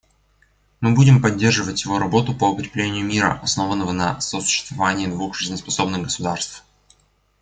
Мы будем поддерживать его работу по укреплению мира, основанного на сосуществовании двух жизнеспособных государств.